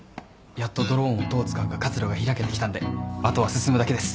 やっとドローンをどう使うか活路が開けてきたんであとは進むだけです。